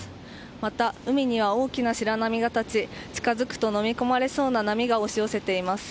また、海には大きな白波が立ち近づくとのみ込まれそうな波が押し寄せています。